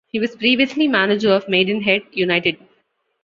He was previously manager of Maidenhead United.